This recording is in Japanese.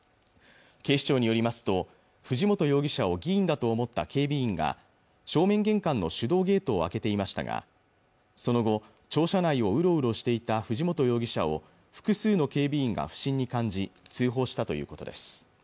警視庁によりますと藤本容疑者を議員だと思った警備員が正面玄関の手動ゲートを開けていましたがその後庁舎内をうろうろしていた藤本容疑者を複数の警備員が不審に感じ通報したということです